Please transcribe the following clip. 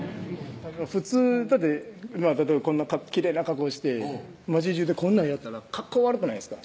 普通だって例えばこんなきれいな格好して街中でこんなんやったら格好悪くないですか？